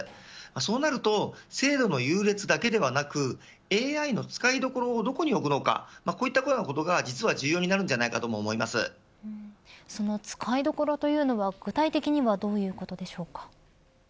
そうなると、制度の優劣ではなくＡＩの使いどころをどこに置くのかこういうことがその使いどころというのは具体的にはどういうことでしょうか。